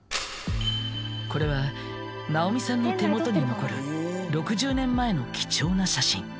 これはナオミさんの手元に残る６０年前の貴重な写真。